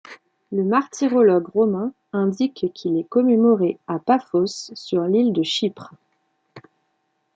Le martyrologe romain indique qu'il est commémoré à Paphos sur l'île de Chypre.